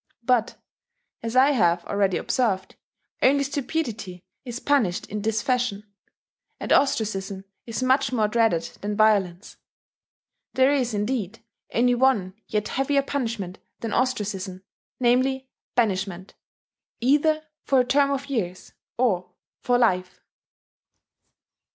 But, as I have already observed, only stupidity is punished in this fashion; and ostracism is much more dreaded than violence. There is, indeed, only one yet heavier punishment than ostracism namely, banishment, either for a term of years or for life.